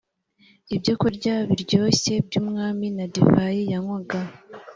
ibyokurya biryoshye by’umwami na divayi yanywaga